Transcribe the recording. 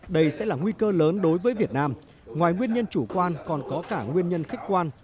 đây sẽ là nguy cơ lớn đối với việt nam ngoài nguyên nhân chủ quan còn có cả nguyên nhân khách quan